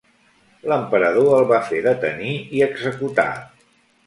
L'emperador el va fer detenir i executar.